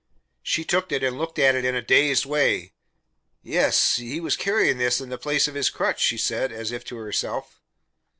She took it and looked at it in a dazed way. "Yes. He was carrying this in the place of his crutch," she said, as if to herself.